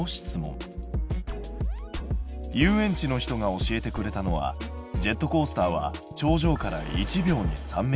遊園地の人が教えてくれたのはジェットコースターは頂上から１秒に３ｍ。